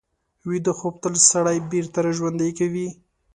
ویده خوب تل سړی بېرته راژوندي کوي